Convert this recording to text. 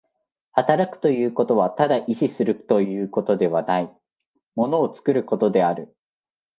働くということはただ意志するということではない、物を作ることである。